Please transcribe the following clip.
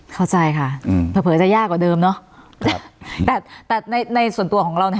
เข้าใจค่ะอืมเผลอจะยากกว่าเดิมเนอะแต่แต่ในในส่วนตัวของเรา